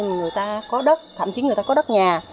người ta có đất thậm chí người ta có đất nhà